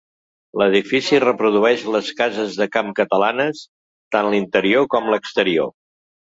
L'edifici reprodueix les cases de camp catalanes, tant l'interior com l'exterior.